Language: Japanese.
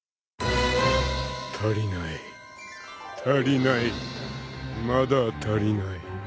［足りない足りないまだ足りない］